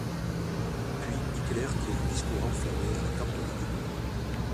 Puis Hitler tient un discours enflammé à la cantonade.